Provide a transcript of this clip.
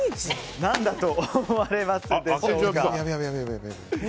何だと思われますでしょうか？